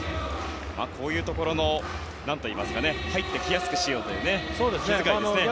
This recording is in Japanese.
こういうところで入ってきやすくしようという気遣いですね。